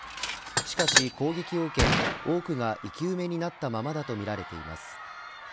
しかし攻撃を受け、多くが生き埋めになったままだとみられています。